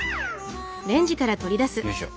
よいしょ。